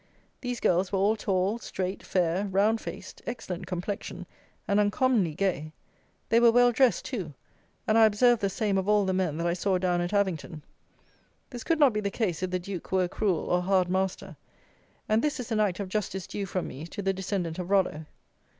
These girls were all tall, straight, fair, round faced, excellent complexion, and uncommonly gay. They were well dressed too, and I observed the same of all the men that I saw down at Avington. This could not be the case if the Duke were a cruel or hard master; and this is an act of justice due from me to the descendant of Rollo.